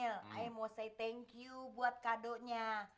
ayah mau say thank you buat kadonya